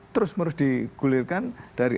terus merus digulirkan dari